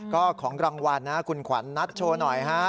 ก็ของรางวัลนะคุณขวัญนัดโชว์หน่อยฮะ